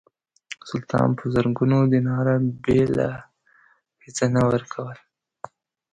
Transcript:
سلطان په زرګونو دیناره بېله هیڅه نه ورکول.